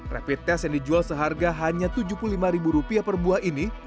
rapid test yang dijual seharga hanya rp tujuh puluh lima per buah ini